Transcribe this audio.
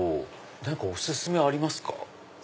何かお薦めありますか？